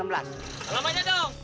salam aja dong